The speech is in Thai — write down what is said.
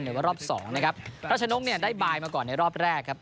เดี๋ยวก็รอบสองนะครับรัชนนกเนี่ยได้ไปก่อนในรอบแรกครับ